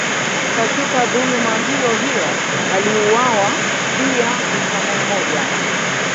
Katika dhuluma hiyohiyo aliuawa pia Mwislamu mmoja.